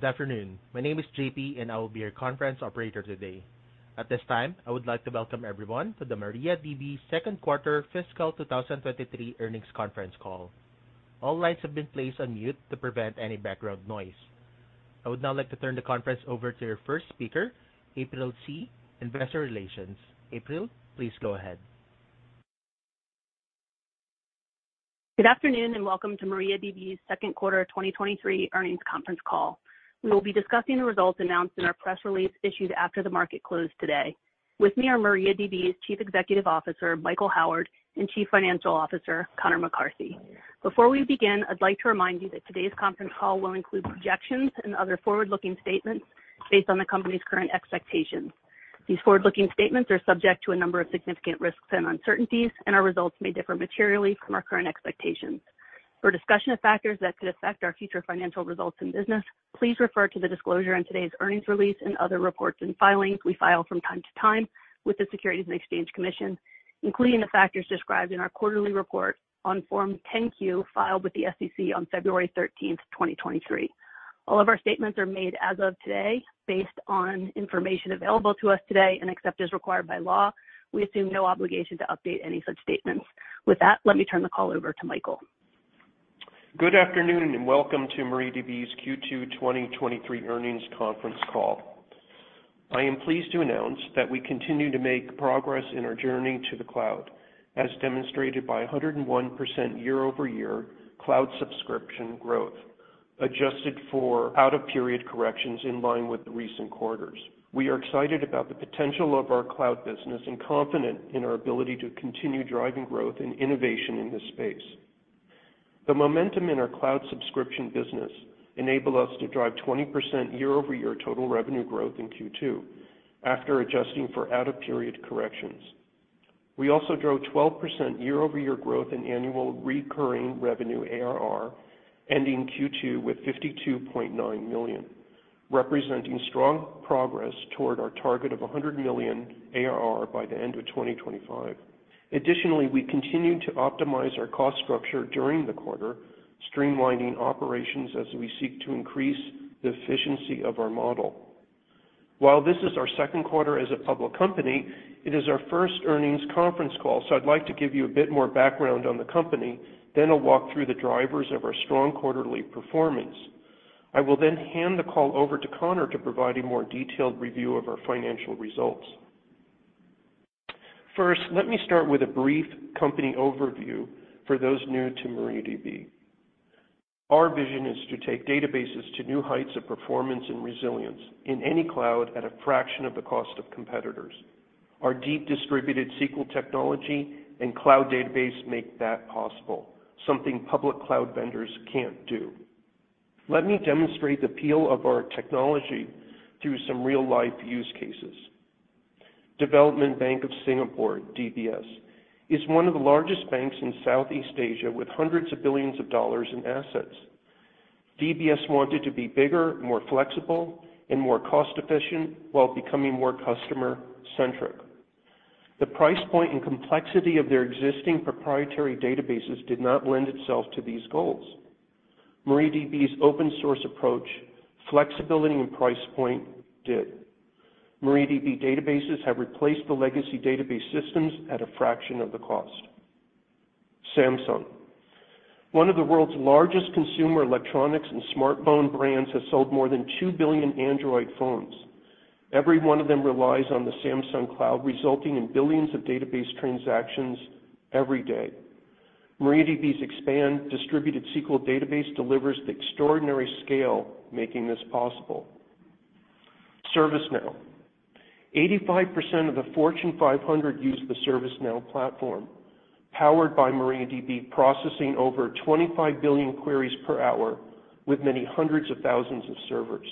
Good afternoon. My name is JP, and I will be your conference operator today. At this time, I would like to welcome everyone to the MariaDB Second Quarter Fiscal 2023 Earnings Conference Call. All lines have been placed on mute to prevent any background noise. I would now like to turn the conference over to your first speaker, April C., Investor Relations. April, please go ahead. Good afternoon, and welcome to MariaDB's second quarter 2023 earnings conference call. We will be discussing the results announced in our press release issued after the market closed today. With me are MariaDB's Chief Executive Officer, Michael Howard, and Chief Financial Officer, Conor McCarthy. Before we begin, I'd like to remind you that today's conference call will include projections and other forward-looking statements based on the company's current expectations. These forward-looking statements are subject to a number of significant risks and uncertainties, and our results may differ materially from our current expectations. For discussion of factors that could affect our future financial results and business, please refer to the disclosure in today's earnings release and other reports and filings we file from time to time with the Securities and Exchange Commission, including the factors described in our quarterly report on Form 10-Q filed with the SEC on February 13th, 2023. All of our statements are made as of today based on information available to us today. Except as required by law, we assume no obligation to update any such statements. With that, let me turn the call over to Michael. Good afternoon. Welcome to MariaDB's Q2 2023 earnings conference call. I am pleased to announce that we continue to make progress in our journey to the cloud, as demonstrated by 101% year-over-year cloud subscription growth, adjusted for out-of-period corrections in line with recent quarters. We are excited about the potential of our cloud business and confident in our ability to continue driving growth and innovation in this space. The momentum in our cloud subscription business enable us to drive 20% year-over-year total revenue growth in Q2 after adjusting for out-of-period corrections. We also drove 12% year-over-year growth in annual recurring revenue, ARR, ending Q2 with $52.9 million, representing strong progress toward our target of $100 million ARR by the end of 2025. Additionally, we continue to optimize our cost structure during the quarter, streamlining operations as we seek to increase the efficiency of our model. While this is our second quarter as a public company, it is our first earnings conference call, so I'd like to give you a bit more background on the company, then I'll walk through the drivers of our strong quarterly performance. I will then hand the call over to Conor to provide a more detailed review of our financial results. First, let me start with a brief company overview for those new to MariaDB. Our vision is to take databases to new heights of performance and resilience in any cloud at a fraction of the cost of competitors. Our deep Distributed SQL technology and cloud database make that possible, something public cloud vendors can't do. Let me demonstrate the appeal of our technology through some real-life use cases. Development Bank of Singapore, DBS, is one of the largest banks in Southeast Asia with hundreds of billions of dollars in assets. DBS wanted to be bigger, more flexible, and more cost-efficient while becoming more customer-centric. The price point and complexity of their existing proprietary databases did not lend itself to these goals. MariaDB's open source approach, flexibility, and price point did. MariaDB databases have replaced the legacy database systems at a fraction of the cost. Samsung, one of the world's largest consumer electronics and smartphone brands, has sold more than 2 billion Android phones. Every one of them relies on the Samsung Cloud, resulting in billions of database transactions every day. MariaDB's Xpand Distributed SQL database delivers the extraordinary scale making this possible. ServiceNow. 85% of the Fortune 500 use the ServiceNow platform, powered by MariaDB, processing over 25 billion queries per hour with many hundreds of thousands of servers.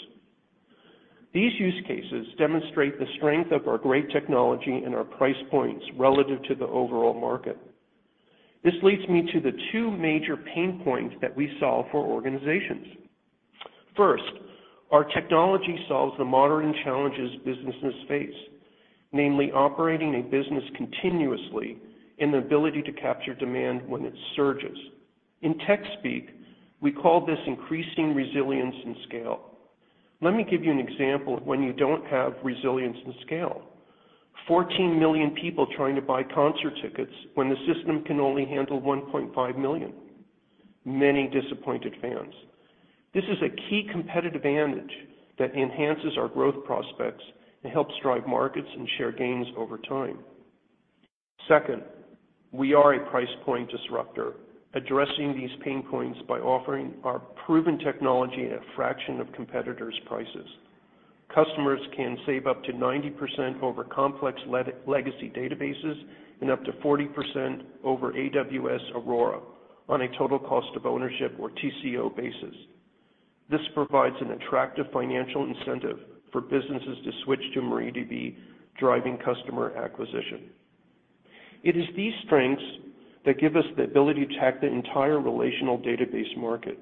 These use cases demonstrate the strength of our great technology and our price points relative to the overall market. This leads me to the two major pain points that we solve for organizations. First, our technology solves the modern challenges businesses face, namely operating a business continuously and the ability to capture demand when it surges. In tech speak, we call this increasing resilience and scale. Let me give you an example of when you don't have resilience and scale. 14 million people trying to buy concert tickets when the system can only handle 1.5 million. Many disappointed fans. This is a key competitive advantage that enhances our growth prospects and helps drive markets and share gains over time. Second, we are a price point disruptor, addressing these pain points by offering our proven technology at a fraction of competitors' prices. Customers can save up to 90% over complex legacy databases and up to 40% over AWS Aurora on a total cost of ownership or TCO basis. This provides an attractive financial incentive for businesses to switch to MariaDB, driving customer acquisition. It is these strengths that give us the ability to attack the entire relational database market.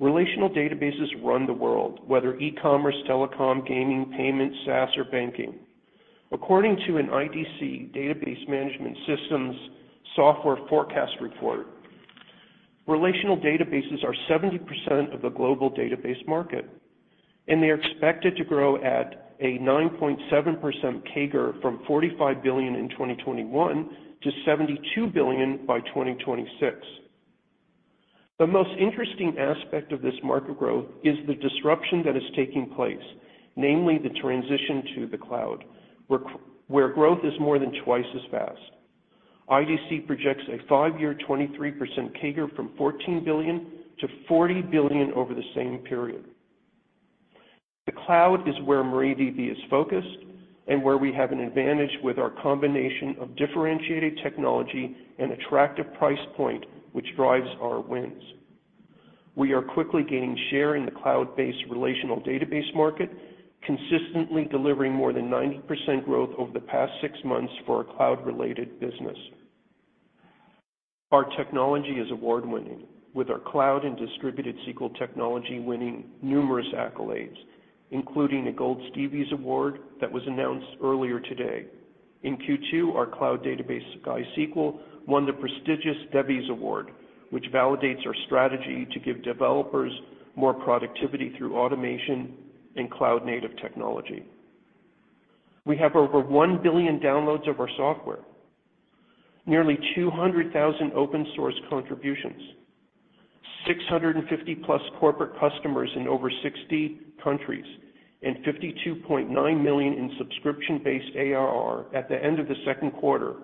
Relational databases run the world, whether e-commerce, telecom, gaming, payment, SaaS, or banking. According to an IDC Database Management Systems Software Forecast Report, relational databases are 70% of the global database market, and they are expected to grow at a 9.7% CAGR from $45 billion in 2021 to $72 billion by 2026. The most interesting aspect of this market growth is the disruption that is taking place, namely the transition to the cloud, where growth is more than twice as fast. IDC projects a five-year 23% CAGR from $14 billion to $40 billion over the same period. The cloud is where MariaDB is focused and where we have an advantage with our combination of differentiated technology and attractive price point, which drives our wins. We are quickly gaining share in the cloud-based relational database market, consistently delivering more than 90% growth over the past 6 months for our cloud-related business. Our technology is award-winning. With our cloud and Distributed SQL technology winning numerous accolades, including a Gold Stevie Award that was announced earlier today. In Q2, our cloud database, SkySQL, won the prestigious DEVIES Awards, which validates our strategy to give developers more productivity through automation and cloud-native technology. We have over 1 billion downloads of our software, nearly 200,000 open source contributions, 650-plus corporate customers in over 60 countries, and $52.9 million in subscription-based ARR at the end of the second quarter,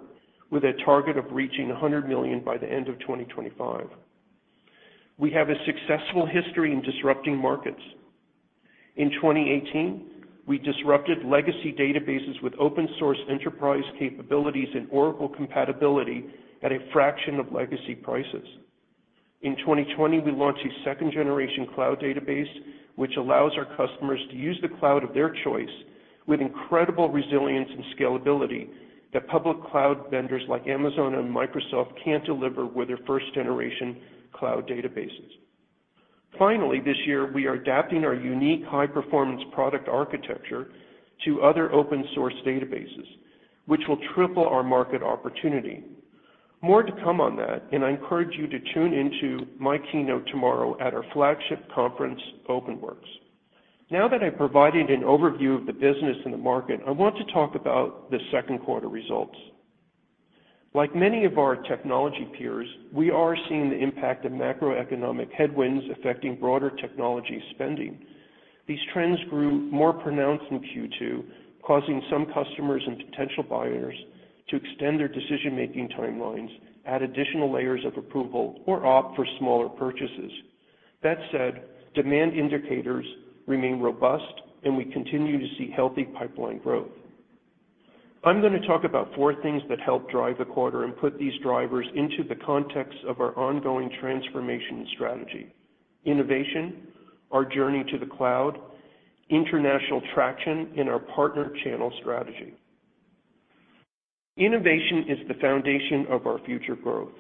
with a target of reaching $100 million by the end of 2025. We have a successful history in disrupting markets. In 2018, we disrupted legacy databases with open source enterprise capabilities and Oracle compatibility at a fraction of legacy prices. In 2020, we launched a second-generation cloud database, which allows our customers to use the cloud of their choice with incredible resilience and scalability that public cloud vendors like Amazon and Microsoft can't deliver with their first-generation cloud databases. Finally, this year, we are adapting our unique high-performance product architecture to other open source databases, which will triple our market opportunity. More to come on that. I encourage you to tune into my keynote tomorrow at our flagship conference, OpenWorks. Now that I've provided an overview of the business and the market, I want to talk about the second quarter results. Like many of our technology peers, we are seeing the impact of macroeconomic headwinds affecting broader technology spending. These trends grew more pronounced in Q2, causing some customers and potential buyers to extend their decision-making timelines, add additional layers of approval, or opt for smaller purchases. That said, demand indicators remain robust. We continue to see healthy pipeline growth. I'm gonna talk about four things that help drive the quarter and put these drivers into the context of our ongoing transformation strategy: innovation, our journey to the cloud, international traction in our partner channel strategy. Innovation is the foundation of our future growth.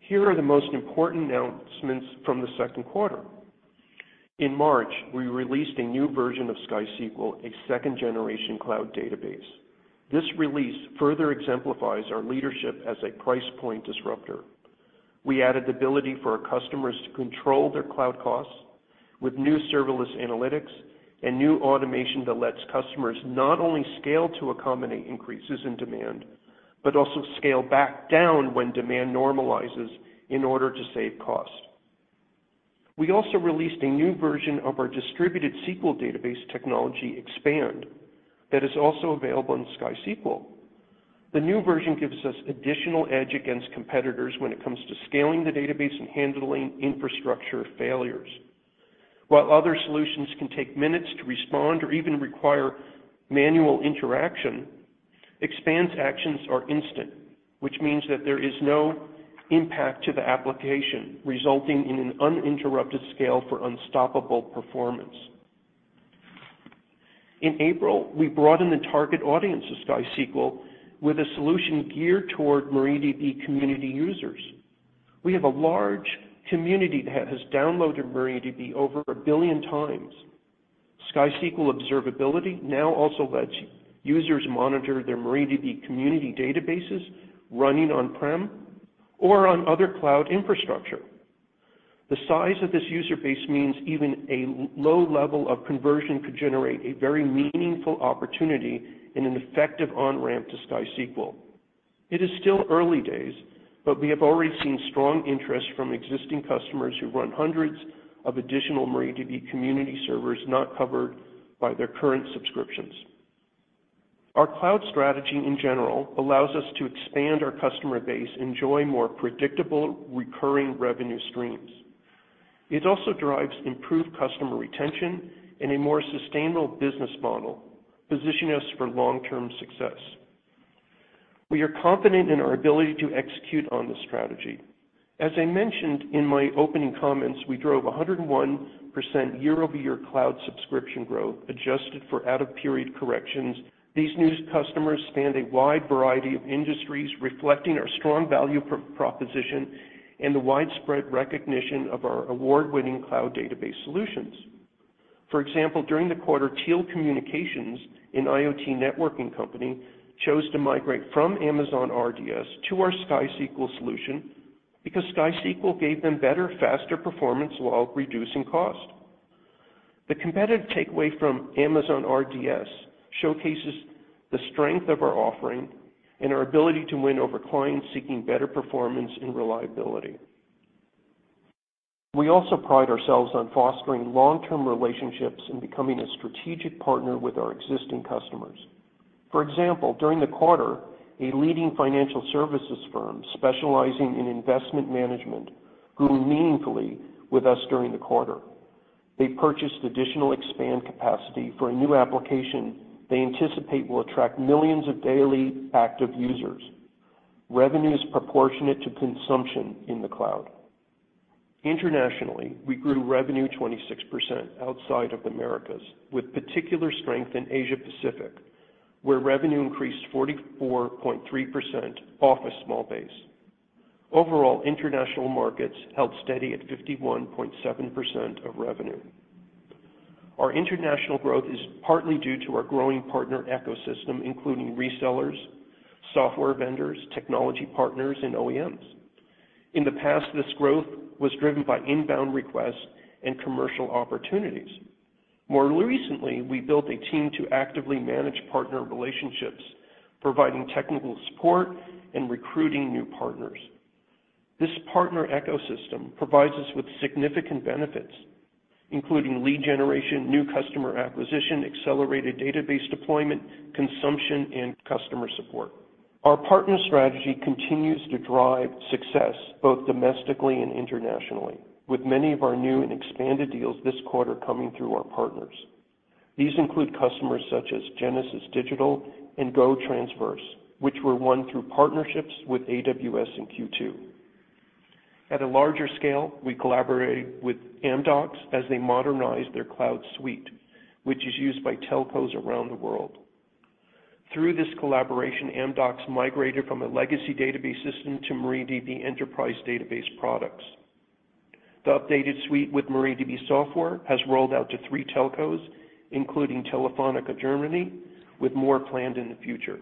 Here are the most important announcements from the second quarter. In March, we released a new version of SkySQL, a second-generation cloud database. This release further exemplifies our leadership as a price point disruptor. We added the ability for our customers to control their cloud costs with new serverless analytics and new automation that lets customers not only scale to accommodate increases in demand, but also scale back down when demand normalizes in order to save cost. We also released a new version of our distributed SQL database technology, Xpand, that is also available in SkySQL. The new version gives us additional edge against competitors when it comes to scaling the database and handling infrastructure failures. While other solutions can take minutes to respond or even require manual interaction, Xpand's actions are instant, which means that there is no impact to the application, resulting in an uninterrupted scale for unstoppable performance. In April, we broadened the target audience of SkySQL with a solution geared toward MariaDB community users. We have a large community that has downloaded MariaDB over 1 billion times. SkySQL Observability now also lets users monitor their MariaDB community databases running on-prem or on other cloud infrastructure. The size of this user base means even a low level of conversion could generate a very meaningful opportunity and an effective on-ramp to SkySQL. It is still early days, but we have already seen strong interest from existing customers who run hundreds of additional MariaDB community servers not covered by their current subscriptions. Our cloud strategy, in general, allows us to expand our customer base, enjoy more predictable recurring revenue streams. It also drives improved customer retention and a more sustainable business model, positioning us for long-term success. We are confident in our ability to execute on this strategy. As I mentioned in my opening comments, we drove 101% year-over-year cloud subscription growth, adjusted for out-of-period corrections. These new customers span a wide variety of industries, reflecting our strong value proposition and the widespread recognition of our award-winning cloud database solutions. For example, during the quarter, Teal Communications, an IoT networking company, chose to migrate from Amazon RDS to our SkySQL solution because SkySQL gave them better, faster performance while reducing cost. The competitive takeaway from Amazon RDS showcases the strength of our offering and our ability to win over clients seeking better performance and reliability. We also pride ourselves on fostering long-term relationships and becoming a strategic partner with our existing customers. For example, during the quarter, a leading financial services firm specializing in investment management grew meaningfully with us during the quarter. They purchased additional Xpand capacity for a new application they anticipate will attract millions of daily active users. Revenue is proportionate to consumption in the cloud. Internationally, we grew revenue 26% outside of Americas, with particular strength in Asia Pacific, where revenue increased 44.3% off a small base. Overall, international markets held steady at 51.7% of revenue. Our international growth is partly due to our growing partner ecosystem, including resellers, software vendors, technology partners, and OEMs. In the past, this growth was driven by inbound requests and commercial opportunities. More recently, we built a team to actively manage partner relationships, providing technical support and recruiting new partners. This partner ecosystem provides us with significant benefits, including lead generation, new customer acquisition, accelerated database deployment, consumption, and customer support. Our partner strategy continues to drive success both domestically and internationally, with many of our new and expanded deals this quarter coming through our partners. These include customers such as Genesis Digital and GoTransverse, which were won through partnerships with AWS in Q2. At a larger scale, we collaborated with Amdocs as they modernized their cloud suite, which is used by telcos around the world. Through this collaboration, Amdocs migrated from a legacy database system to MariaDB Enterprise database products. The updated suite with MariaDB software has rolled out to three telcos, including Telefónica Germany, with more planned in the future.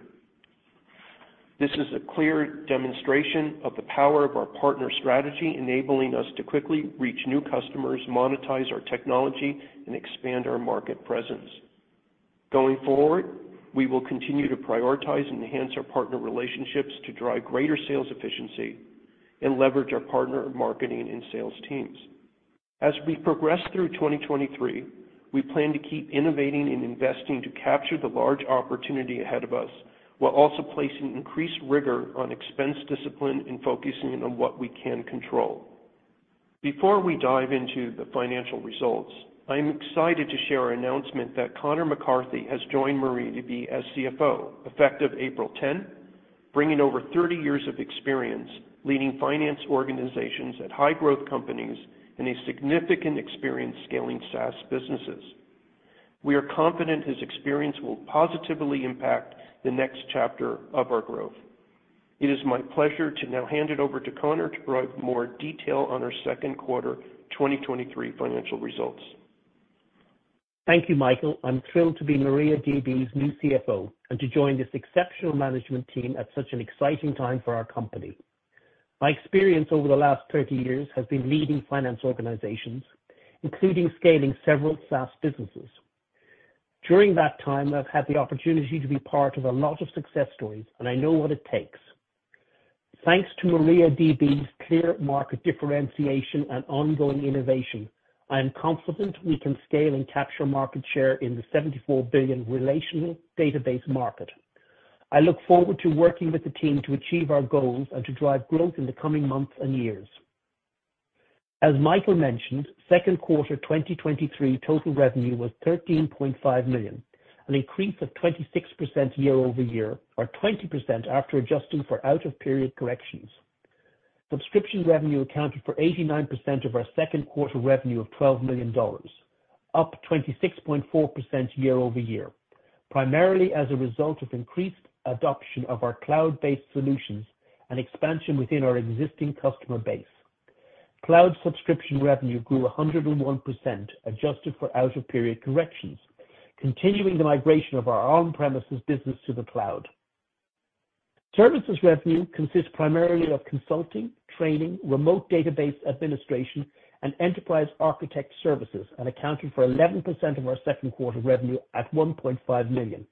This is a clear demonstration of the power of our partner strategy, enabling us to quickly reach new customers, monetize our technology, and expand our market presence. Going forward, we will continue to prioritize and enhance our partner relationships to drive greater sales efficiency and leverage our partner marketing and sales teams. As we progress through 2023, we plan to keep innovating and investing to capture the large opportunity ahead of us, while also placing increased rigor on expense discipline and focusing on what we can control. Before we dive into the financial results, I am excited to share our announcement that Conor McCarthy has joined MariaDB as CFO, effective April 10, bringing over 30 years of experience leading finance organizations at high-growth companies and a significant experience scaling SaaS businesses. We are confident his experience will positively impact the next chapter of our growth. It is my pleasure to now hand it over to Conor to provide more detail on our second quarter 2023 financial results. Thank you, Michael. I'm thrilled to be MariaDB's new CFO and to join this exceptional management team at such an exciting time for our company. My experience over the last 30 years has been leading finance organizations, including scaling several SaaS businesses. During that time, I've had the opportunity to be part of a lot of success stories, and I know what it takes. Thanks to MariaDB's clear market differentiation and ongoing innovation, I am confident we can scale and capture market share in the $74 billion relational database market. I look forward to working with the team to achieve our goals and to drive growth in the coming months and years. As Michael mentioned, second quarter 2023 total revenue was $13.5 million, an increase of 26% year-over-year, or 20% after adjusting for out-of-period corrections. Subscription revenue accounted for 89% of our second quarter revenue of $12 million, up 26.4% year-over-year, primarily as a result of increased adoption of our cloud-based solutions and expansion within our existing customer base. Cloud subscription revenue grew 101% adjusted for out-of-period corrections, continuing the migration of our on-premises business to the cloud. Services revenue consists primarily of consulting, training, remote database administration, and enterprise architect services, and accounted for 11% of our second quarter revenue at $1.5 million,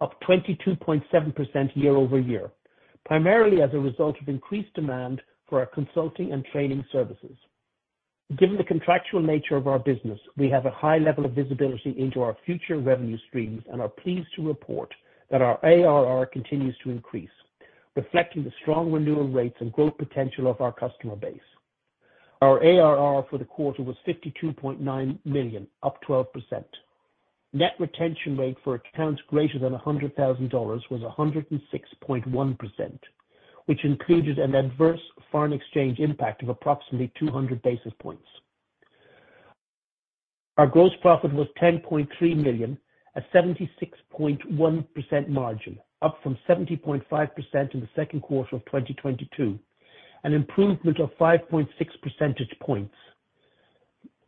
up 22.7% year-over-year, primarily as a result of increased demand for our consulting and training services. Given the contractual nature of our business, we have a high level of visibility into our future revenue streams and are pleased to report that our ARR continues to increase, reflecting the strong renewal rates and growth potential of our customer base. Our ARR for the quarter was $52.9 million, up 12%. Net retention rate for accounts greater than $100,000 was 106.1%, which included an adverse foreign exchange impact of approximately 200 basis points. Our gross profit was $10.3 million at 76.1% margin, up from 70.5% in the second quarter of 2022, an improvement of 5.6 percentage points.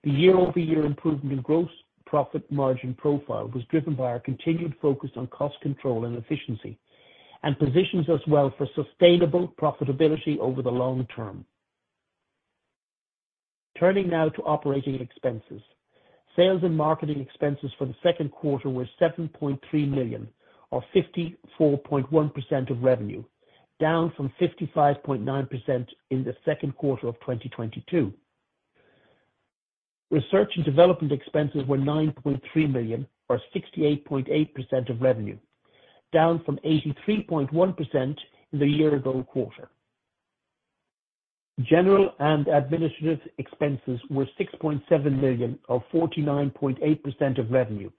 The year-over-year improvement in gross profit margin profile was driven by our continued focus on cost control and efficiency and positions us well for sustainable profitability over the long term. Turning now to operating expenses. Sales and marketing expenses for the second quarter were $7.3 million, or 54.1% of revenue, down from 55.9% in the second quarter of 2022. Research and development expenses were $9.3 million, or 68.8% of revenue, down from 83.1% in the year-ago quarter. General and administrative expenses were $6.7 million, or 49.8% of revenue,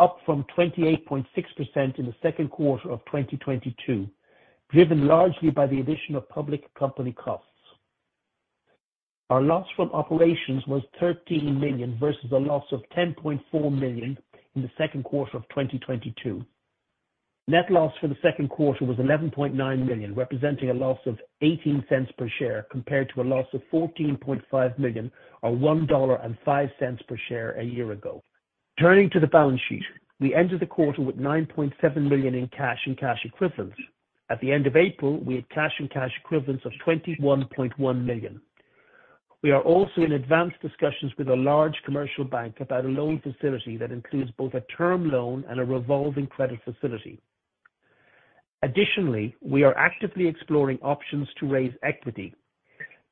up from 28.6% in the second quarter of 2022, driven largely by the addition of public company costs. Our loss from operations was $13 million versus a loss of $10.4 million in the second quarter of 2022. Net loss for the second quarter was $11.9 million, representing a loss of $0.18 per share compared to a loss of $14.5 million or $1.05 per share a year ago. Turning to the balance sheet. We ended the quarter with $9.7 million in cash and cash equivalents. At the end of April, we had cash and cash equivalents of $21.1 million. We are also in advanced discussions with a large commercial bank about a loan facility that includes both a term loan and a revolving credit facility. We are actively exploring options to raise equity.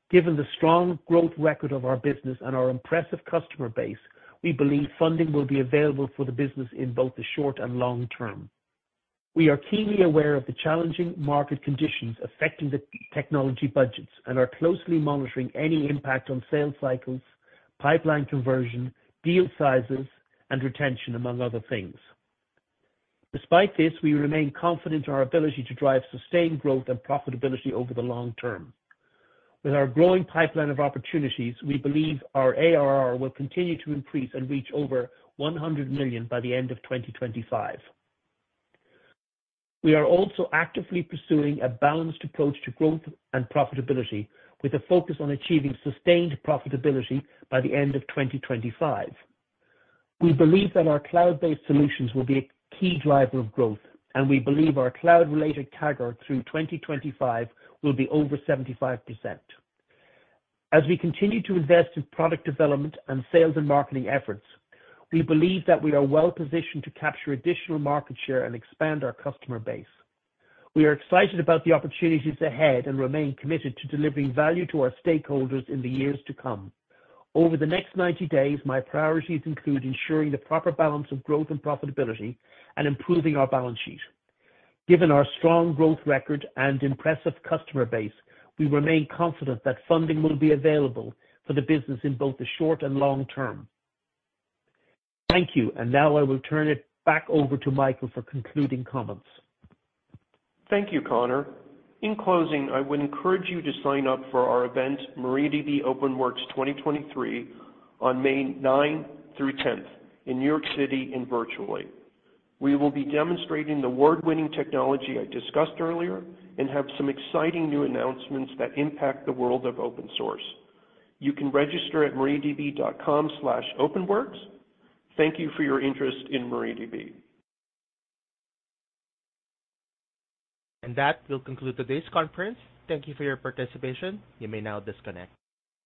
Given the strong growth record of our business and our impressive customer base, we believe funding will be available for the business in both the short and long term. We are keenly aware of the challenging market conditions affecting the technology budgets and are closely monitoring any impact on sales cycles, pipeline conversion, deal sizes, and retention, among other things. We remain confident in our ability to drive sustained growth and profitability over the long term. With our growing pipeline of opportunities, we believe our ARR will continue to increase and reach over $100 million by the end of 2025. We are also actively pursuing a balanced approach to growth and profitability with a focus on achieving sustained profitability by the end of 2025. We believe that our cloud-based solutions will be a key driver of growth, and we believe our cloud-related CAGR through 2025 will be over 75%. As we continue to invest in product development and sales and marketing efforts, we believe that we are well-positioned to capture additional market share and expand our customer base. We are excited about the opportunities ahead and remain committed to delivering value to our stakeholders in the years to come. Over the next 90 days, my priorities include ensuring the proper balance of growth and profitability and improving our balance sheet. Given our strong growth record and impressive customer base, we remain confident that funding will be available for the business in both the short and long term. Thank you. Now I will turn it back over to Michael for concluding comments. Thank you, Conor. In closing, I would encourage you to sign up for our event, MariaDB OpenWorks 2023 on May ninth through 10th in New York City and virtually. We will be demonstrating the award-winning technology I discussed earlier and have some exciting new announcements that impact the world of open source. You can register at mariadb.com/openworks. Thank you for your interest in MariaDB. That will conclude today's conference. Thank you for your participation. You may now disconnect.